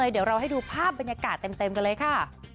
เดี๋ยวเราให้ดูภาพบรรยากาศเต็มกันเลยค่ะ